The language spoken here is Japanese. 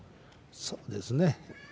そうですね。